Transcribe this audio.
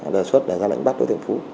đề xuất đề ra lệnh bắt đối tượng phú